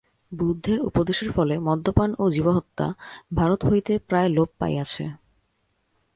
বুদ্ধের উপদেশের ফলে মদ্যপান ও জীবহত্যা ভারত হইতে প্রায় লোপ পাইয়াছে।